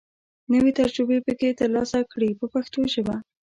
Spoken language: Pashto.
نوې تجربې پکې تر لاسه کړي په پښتو ژبه.